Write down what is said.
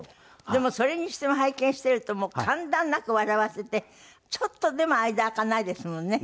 でもそれにしても拝見しているともう間断なく笑わせてちょっとでも間空かないですもんね。